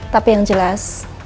tapi yang jelas